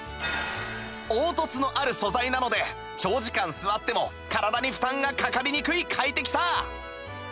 凹凸のある素材なので長時間座っても体に負担がかかりにくい快適さ